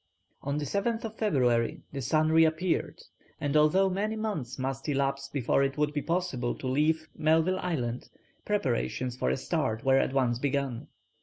On the 7th February the sun reappeared, and although many months must elapse before it would be possible to leave Melville Island, preparations for a start were at once begun.